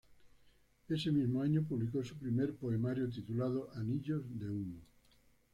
Ese mismo año, publicó su primer poemario titulado "Anillos de humo".